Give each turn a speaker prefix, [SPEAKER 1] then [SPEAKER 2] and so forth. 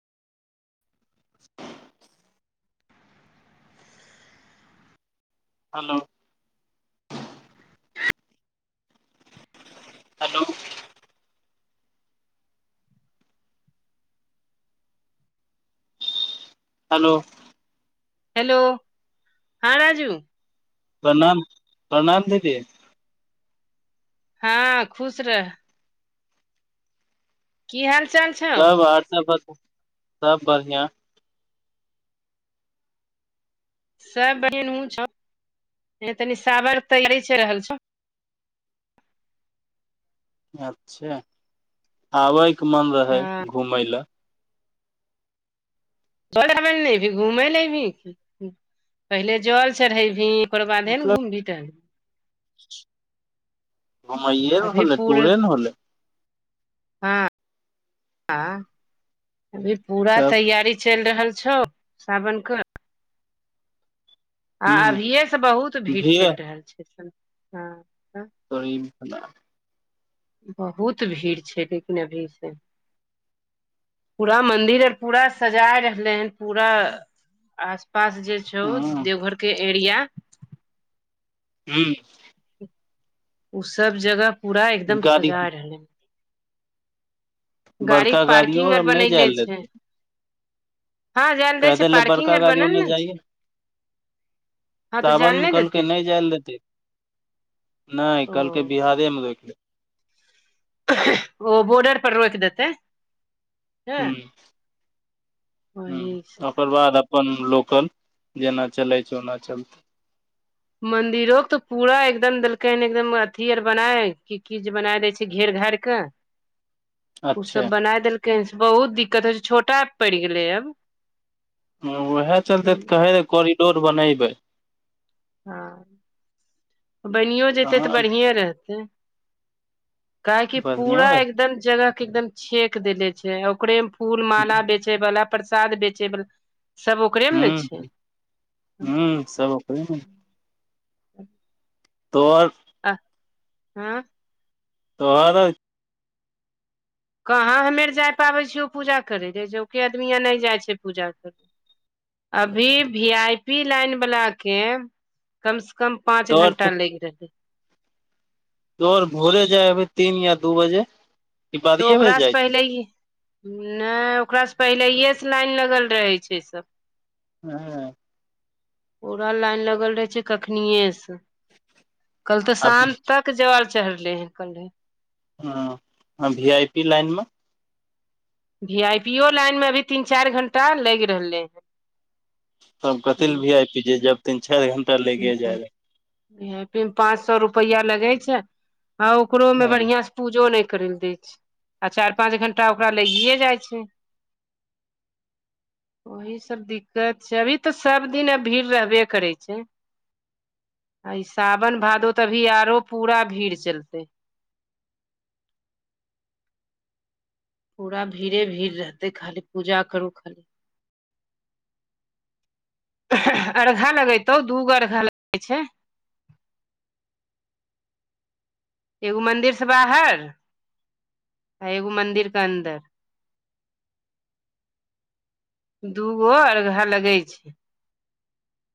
[SPEAKER 1] [unintelligible] Hello
[SPEAKER 2] [inaudible]
[SPEAKER 1] hello hello
[SPEAKER 2] hello हँ राजू।
[SPEAKER 1] प्रणाम प्रणाम दीदी।
[SPEAKER 2] हँ खुश रह। की हाल चाल छ?
[SPEAKER 1] सब आर सब बतो सब बढ़िआँ।
[SPEAKER 2] सब [unintelligible] तनि साावर [unintelligible]
[SPEAKER 1] अच्छा आबैके मन रहै
[SPEAKER 2] हँ
[SPEAKER 1] घुमय लऽ।
[SPEAKER 2] [unintelligible] घूमै लए एबही पहिले जल चढ़ेबही। ओकरा बादे ने
[SPEAKER 1] मतलब
[SPEAKER 2] घुमिटर।
[SPEAKER 1] घुमैयए ने
[SPEAKER 2] अभी
[SPEAKER 1] होै
[SPEAKER 2] पूरा
[SPEAKER 1] टूरे ने होलय।
[SPEAKER 2] हँ आ अभी पूरा
[SPEAKER 1] तब
[SPEAKER 2] तैयारी चलि रहल छौ सावन क। आ
[SPEAKER 1] ह
[SPEAKER 2] अभियए से बहुत भीड़ चलि रहल छैय हँ।
[SPEAKER 1] [unintelligible]
[SPEAKER 2] बहुत भीड़ छैय लेकिन अभी से। पूरा मंदिर आर पूरा सजा रहले हन पूरा आस पास जे छौ देवघरके एरिया।
[SPEAKER 1] हूं
[SPEAKER 2] ओ सब जगह पूरा एकदम
[SPEAKER 1] गाड़ी
[SPEAKER 2] सजा रहले। गाड़ी के
[SPEAKER 1] बड़का गाड़ियो
[SPEAKER 2] पार्किंग
[SPEAKER 1] आर नहि
[SPEAKER 2] बनैले
[SPEAKER 1] जायल
[SPEAKER 2] छै
[SPEAKER 1] हेतै।
[SPEAKER 2] हँ जाय ले दै
[SPEAKER 1] कह
[SPEAKER 2] छै
[SPEAKER 1] दे ने
[SPEAKER 2] पार्किंग
[SPEAKER 1] बड़का
[SPEAKER 2] आर
[SPEAKER 1] गड़ी
[SPEAKER 2] बनल
[SPEAKER 1] उ नहि
[SPEAKER 2] ने छै
[SPEAKER 1] चाए
[SPEAKER 2] हँ तऽ जाय ले नहि
[SPEAKER 1] सावनमे
[SPEAKER 2] देतै
[SPEAKER 1] कहलकै नहि
[SPEAKER 2] तऽ
[SPEAKER 1] जायल हेतै। नहि कलकै
[SPEAKER 2] ओ
[SPEAKER 1] बिहारेमे रोके।
[SPEAKER 2] ओ बोर्डर पर रोकि देतै। हँ
[SPEAKER 1] हूं हूं
[SPEAKER 2] वही से
[SPEAKER 1] ओकर बाद अपन लोकल जेना चले छैय ओना चलतै।
[SPEAKER 2] मंदिरो के तऽ पूरा एकदम देलकै हन एकदम अथी आर बनाय की की जे बनाय देय छैय घेर घार के।
[SPEAKER 1] ह
[SPEAKER 2] ओसभ बनाय देलकै हन से बहुत दिक्कत होइ छैय छोटा पड़ि गेलै आब।
[SPEAKER 1] हँ उएह चलते तऽ कहे रह कोरिडोर बनेबै।
[SPEAKER 2] हँ बनियो जेतै तऽ
[SPEAKER 1] कहाँ
[SPEAKER 2] बढ़िएँ रहतै। काहेकि
[SPEAKER 1] बढ़िया
[SPEAKER 2] पूरा
[SPEAKER 1] रह
[SPEAKER 2] एकदम जगह के एकदम छेक देले छैय ओकरे फूल माला बेचे बाला प्रसाद बेचे बला
[SPEAKER 1] हू हू सब ओकरे ने
[SPEAKER 2] ह
[SPEAKER 1] तोहर
[SPEAKER 2] अह हँ।
[SPEAKER 1] तऽ आर
[SPEAKER 2] कहाँ हमे आर जाय पाबै छियै ओ पूजा करे ले जबके आदमी आ नहि जाइ छै पूजा कर अभी वी आई पी लाइन बला के कम से कम पाँच
[SPEAKER 1] तोहर तऽ
[SPEAKER 2] घंटा लेग रहले है
[SPEAKER 1] आओर भोरे जाइ हबै तीन या दू बजे ई
[SPEAKER 2] तऽ
[SPEAKER 1] बादिये बजे
[SPEAKER 2] ओकरा से
[SPEAKER 1] जाइ छी
[SPEAKER 2] पहिले नहि ओकास से पहिलेे से लाइन लगल रहे छै सब
[SPEAKER 1] हँ
[SPEAKER 2] पूरा लाइन लगल रहे छै कखने से कल तऽ
[SPEAKER 1] अभी
[SPEAKER 2] शाम तक जल चढ़ले है कले
[SPEAKER 1] हँ वी आइ पी लाइनमे
[SPEAKER 2] वी आई पीो लाइन मे अभी तीन चारि घं्टा लागि रहले है
[SPEAKER 1] तब कथि लऽ वी आइ पी जब तीन चारि घं्टा लेगे जाय रहले हन
[SPEAKER 2] वी आई पी में पाँच सए रुपआ लगे छै हँ ओकरो में
[SPEAKER 1] रहे
[SPEAKER 2] बढ़ियां सऽ पूजो नहि करय दे छै आ चारि पाँंच घं्टा ओकरा लगिे जाइ छै ओही सब दिक्कत छै अभी तऽ सब दिन अ भीड़ रहबे करै छै आ साावन भादो तऽ अभी आरो पूरा भीड़ चलते पूरा भीड़े भीड़ रहतै खाली पूजा करू खाली अरघा लगेतौ दूगो अर्घा लगै छै एगो मंदिर सऽ बाहर एगो मंन्दिर के अन्दर दूगो अर्घा लगे छै